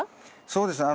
そうですね。